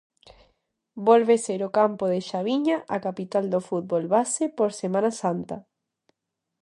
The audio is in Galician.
Volve ser o campo de Xaviña a capital do fútbol base por Semana Santa.